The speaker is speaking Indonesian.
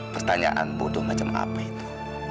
pertanyaan bodoh macam apa itu